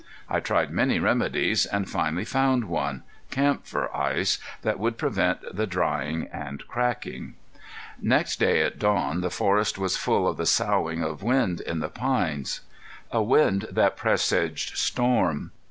I tried many remedies, and finally found one, camphor ice, that would prevent the drying and cracking. Next day at dawn the forest was full of the soughing of wind in the pines a wind that presaged storm.